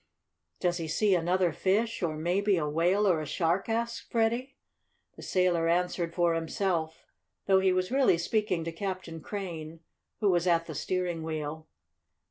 "Does he see another fish, or maybe a whale or a shark?" asked Freddie. The sailor answered for himself, though he was really speaking to Captain Crane, who was at the steering wheel.